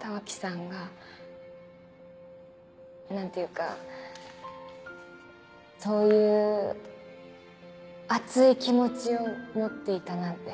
北脇さんが何ていうかそういう熱い気持ちを持っていたなんて。